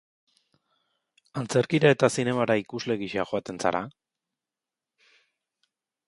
Antzerkira eta zinemara ikusle gisa joaten zara?